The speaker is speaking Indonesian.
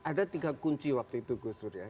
ada tiga kunci waktu itu gus dur ya